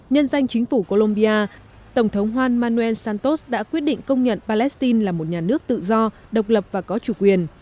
nhân danh chính phủ colombia tổng thống hoan nghênh santos đã quyết định công nhận palestine là một nhà nước tự do độc lập và có chủ quyền